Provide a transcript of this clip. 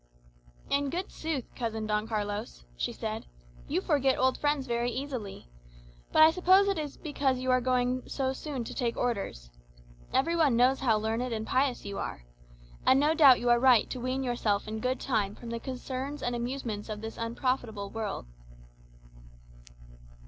"In good sooth, cousin Don Carlos," she said, "you forget old friends very easily. But I suppose it is because you are going so soon to take Orders. Every one knows how learned and pious you are. And no doubt you are right to wean yourself in good time from the concerns and amusements of this unprofitable world."